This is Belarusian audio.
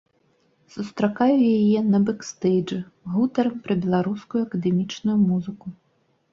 Сустракаю яе на бэкстэйджы, гутарым пра беларускую акадэмічную музыку.